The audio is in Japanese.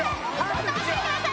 落としてください！